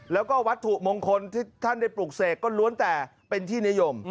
แล้วก็วัตถุมงคลที่ท่านได้ปลูกเสกก็ล้วนแต่เป็นที่นิยม